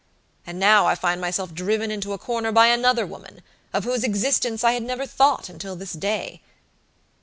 And now I find myself driven into a corner by another woman, of whose existence I had never thought until this day.